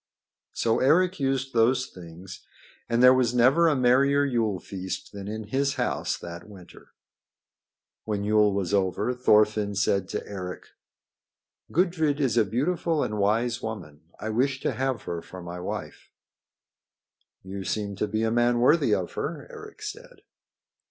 So Eric used those things, and there was never a merrier Yule feast than in his house that winter. When Yule was over, Thorfinn said to Eric: "Gudrid is a beautiful and wise woman. I wish to have her for my wife." "You seem to be a man worthy of her," Eric said.